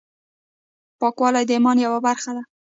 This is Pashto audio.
پاکوالی د ایمان یوه برخه ده۔